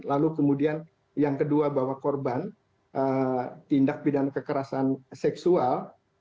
lalu kemudian yang kedua bahwa korban tindak pidana kekerasan seksual